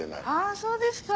そうですか。